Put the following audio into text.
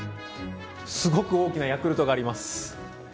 すごく大きなヤクルトがあります。